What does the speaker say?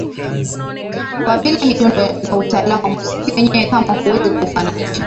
Kwa vile midundo na utaalamu wa muziki wenyewe kamwe huwezi kuufananisha